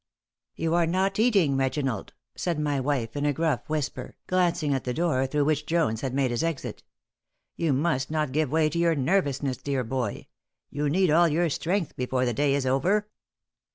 "You are not eating, Reginald," said my wife, in a gruff whisper, glancing at the door through which Jones had made his exit. "You must not give way to your nervousness, dear boy. You'll need all your strength before the day is over."